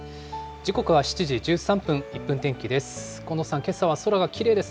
時刻は７時１３分、１分天気です。